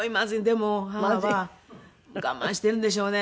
でも母は我慢してるんでしょうね。